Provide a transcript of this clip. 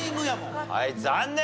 はい残念。